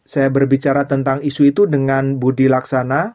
saya berbicara tentang isu itu dengan budi laksana